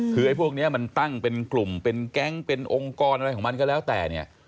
คือไอ้พวกนี้มันตั้งเป็นกลุ่มเป็นแก๊งเป็นองค์กรอะไรของมันก็แล้วแต่เนี่ย